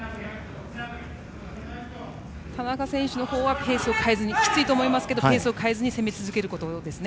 田中選手のほうはきついと思いますけどペースを変えずに攻め続けることですね。